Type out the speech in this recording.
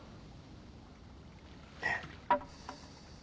ええ。